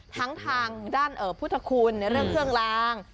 ทางด้านพุทธคุณในเรื่องเครื่องลาง